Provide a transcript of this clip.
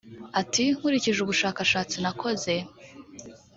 Ati "Nkurikije ubushakashatsi nakoze